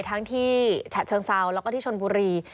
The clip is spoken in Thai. ทั้งที่ฉะเชิงเซาส์และที่ชนบุรีส์